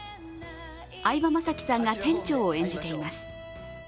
相葉雅紀さんが店長を演じています。